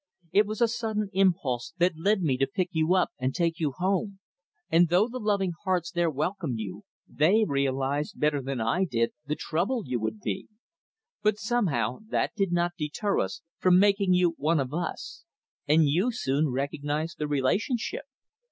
It was a sudden impulse that led me to pick you up and take you home, and though the loving hearts there welcomed you, they realized better than I did the trouble you would be. But somehow that did not deter us from making you one of us, and you soon recognized the relationship.